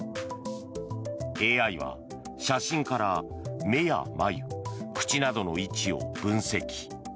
ＡＩは写真から目や眉、口などの位置を分析。